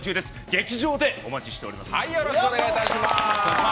劇場でお待ちしております。